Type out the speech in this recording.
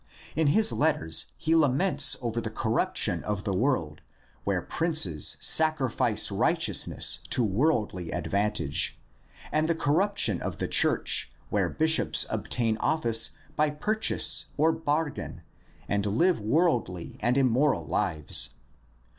In his letters he laments over the corruption of the world where princes sacrifice righteousness to worldly advantage, and the cor ruption of the church where bishops obtain office by purchase or bargain and live worldly and immoral lives.